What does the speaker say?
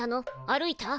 歩いた？